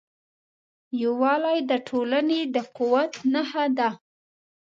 یووالی د ټولنې د قوت نښه ده.